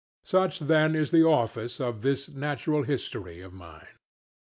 Such then is the office of this natural history of mine.